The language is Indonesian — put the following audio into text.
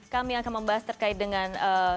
kami akan membahas terkait dengan